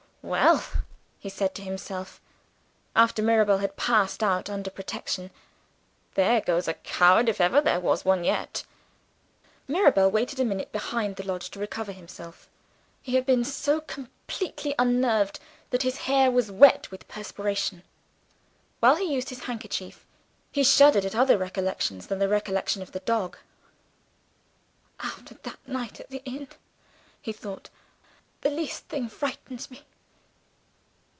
"Well," he said to himself, after Mirabel had passed out under protection, "there goes a coward if ever there was one yet!" Mirabel waited a minute behind the lodge to recover himself. He had been so completely unnerved that his hair was wet with perspiration. While he used his handkerchief, he shuddered at other recollections than the recollection of the dog. "After that night at the inn," he thought, "the least thing frightens me!"